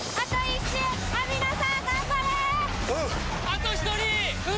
あと１人！